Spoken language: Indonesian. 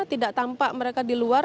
tidak tampak mereka di luar